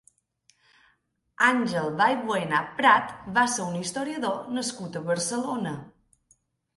Ángel Valbuena Prat va ser un historiador nascut a Barcelona.